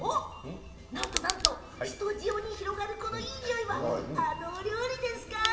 なんとなんとスタジオに広がるこのいい匂いはあのお料理ですか？